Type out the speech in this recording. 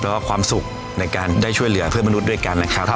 แล้วก็ความสุขในการได้ช่วยเหลือเพื่อนมนุษย์ด้วยกันนะครับ